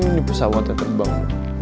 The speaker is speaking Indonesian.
ini pesawatnya terbang